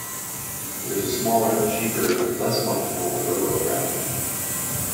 It is a smaller, cheaper, less functional Roboraptor.